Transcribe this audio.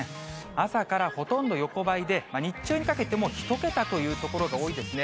朝からほとんど横ばいで、日中にかけても１桁という所が多いですね。